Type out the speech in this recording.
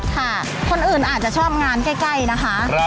ค่ะคนอื่นอาจจะชอบงานใกล้นะคะ